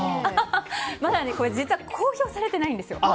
まだ実は公表されていないんですよ。